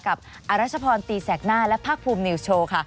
อรัชพรตีแสกหน้าและภาคภูมินิวส์โชว์ค่ะ